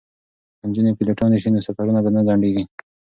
که نجونې پیلوټانې شي نو سفرونه به نه ځنډیږي.